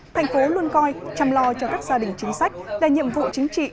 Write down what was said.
thành phố luôn coi chăm lo cho các gia đình chính sách là nhiệm vụ chính trị